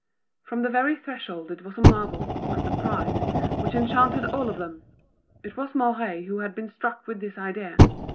From the very threshold it was a marvel, a surprise, which enchanted all of them. It was Mouret who had been struck with this idea.